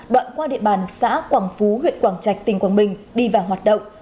đoạn qua địa bàn xã quảng phú huyện quảng trạch tỉnh quảng bình đi vào hoạt động